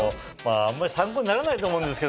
あんまり参考にならないと思うんですけども。